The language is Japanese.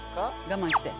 我慢して。